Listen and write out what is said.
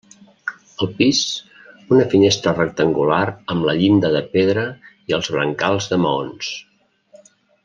Al pis, una finestra rectangular amb la llinda de pedra i els brancals de maons.